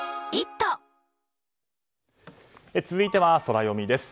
続いてはソラよみです。